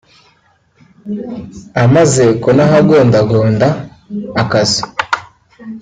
amaze kunahagondagonda akazu